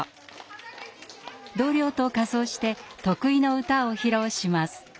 同僚と仮装して得意の歌を披露します。